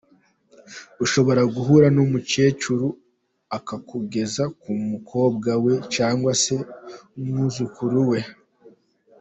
Ushobora guhura n’ umukecuru akakugeza ku mukobwa we cyangwa se umwuzukuru we.